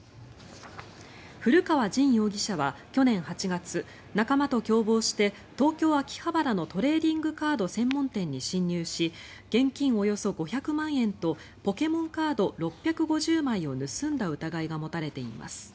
古川刃容疑者は去年８月仲間と共謀して東京・秋葉原のトレーディングカード専門店に侵入し現金およそ５００万円とポケモンカード６５０枚を盗んだ疑いが持たれています。